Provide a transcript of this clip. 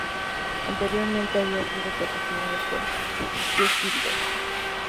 Anteriormente había sido patrocinado por Quiksilver.